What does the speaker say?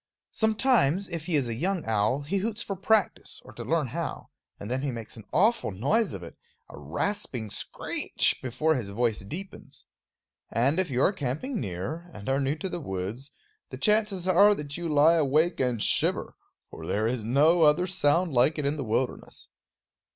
Sometimes, if he is a young owl, he hoots for practice, or to learn how; and then he makes an awful noise of it, a rasping screech, before his voice deepens. And if you are camping near and are new to the woods, the chances are that you lie awake and shiver; for there is no other sound like it in the wilderness.